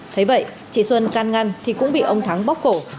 thế vậy chị xuân can ngăn thì cũng bị ông thắng bóp cổ